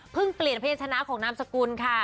เปลี่ยนเพศชนะของนามสกุลค่ะ